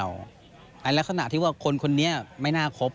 แล้วขณะที่ว่าคนนี้ไม่น่าครบ